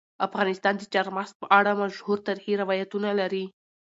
افغانستان د چار مغز په اړه مشهور تاریخي روایتونه لري.